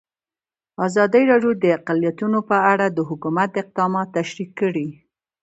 ازادي راډیو د اقلیتونه په اړه د حکومت اقدامات تشریح کړي.